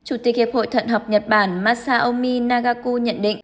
chủ tịch hiệp hội thận học nhật bản masaomi nagaku nhận định